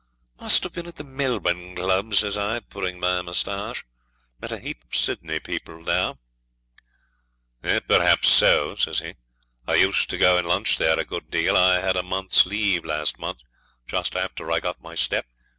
'"Must have been at the Melbourne Club," says I, pulling my moustache. "Met a heap of Sydney people there." '"Perhaps so," says he. "I used to go and lunch there a good deal. I had a month's leave last month, just after I got my step.